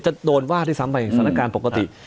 จะโดนวาดทีซ้ำไปสนักการณ์ปกติ